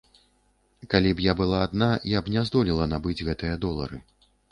Калі б я была адна, я б не здолела набыць гэтыя долары.